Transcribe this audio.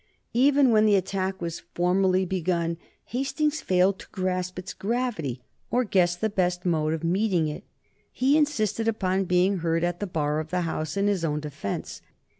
Even when the attack was formally begun, Hastings failed to grasp its gravity or guess the best mode of meeting it. He insisted upon being heard at the Bar of the House in his own defence.